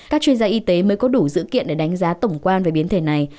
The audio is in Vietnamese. các chuyên gia y tế mới có đủ dữ kiện để đánh giá tổng quan về biến thể này